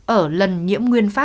ở lần nhiễm đầu tiên